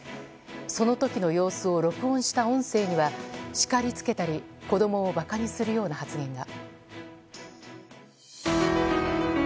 その時の様子を録音した音声には叱りつけたり子供を馬鹿にするような発言が。